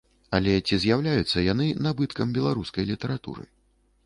Але ці з'яўляюцца яны набыткам беларускай літаратуры?